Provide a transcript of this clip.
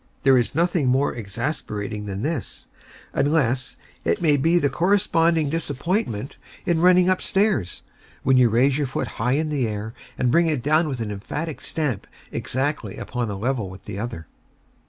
There is nothing more exasperating than this, unless it may be the corresponding disappointment in running up stairs, when you raise your foot high in air, and bring it down with an emphatic stamp exactly upon a level with the other.